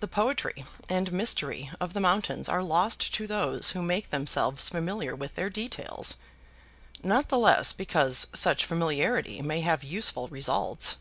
The poetry and mystery of the mountains are lost to those who make themselves familiar with their details, not the less because such familiarity may have useful results.